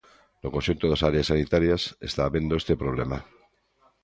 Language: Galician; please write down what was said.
No conxunto das áreas sanitarias está habendo este problema.